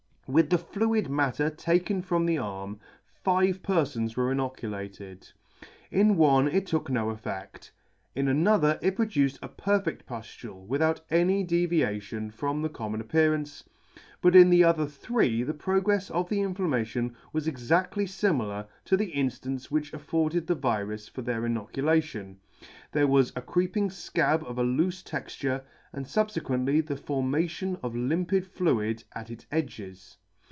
With the fluid matter taken from his arm, five perfons were inoculated. In one it took no effed. In another it produced a perfed pufiule without any deviation from the common appearance ; but in the other three the progrefs of the inflammation was exactly flmilar to the inflance which afforded the virus for their inoculation ; there was a creeping fcab of a loofe texture, and fubfequently the formation [ 175 ] formation of limpid fluid at its edges.